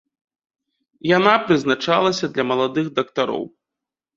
Яна прызначалася для маладых дактароў.